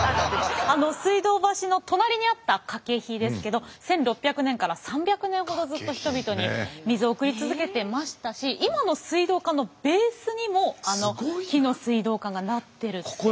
水道橋の隣にあった掛ですけど１６００年から３００年ほどずっと人々に水を送り続けてましたし今の水道管のベースにもあの木の水道管がなってるって。